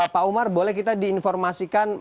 pak umar boleh kita diinformasikan